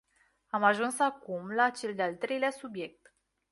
Am ajuns acum la cel de-al treilea subiect.